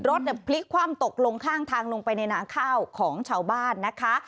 รถพลิกคว่ำตกลงข้างทางลงไปในหนาข้าวของชาวบ้านนะคะ